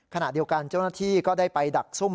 ขณะเดียวกันเจ้าหน้าที่ก็ได้ไปดักซุ่ม